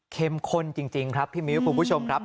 ข้นจริงครับพี่มิ้วคุณผู้ชมครับ